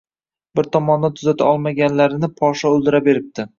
Bir tomondan tuzata olmaganlarini podsho o‘ldira beribdi